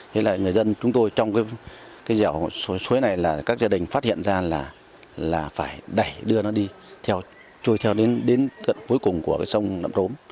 thế là người dân chúng tôi trong cái dẻo suối này là các gia đình phát hiện ra là phải đẩy đưa nó đi trôi theo đến gần cuối cùng của cái sông đậm rốm